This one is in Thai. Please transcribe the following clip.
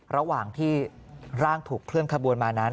ระหว่างที่ร่างถูกเคลื่อนขบวนมานั้น